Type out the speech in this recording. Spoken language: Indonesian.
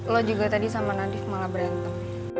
lo juga tadi sama nadif malah berantem